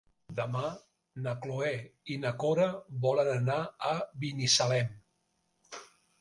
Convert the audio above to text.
Demà na Cloè i na Cora volen anar a Binissalem.